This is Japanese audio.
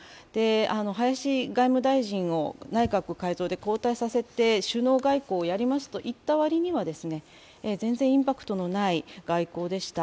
林外務大臣を内閣改造で交代させて首脳外交をやりますと言った割には全然インパクトのない外交でした。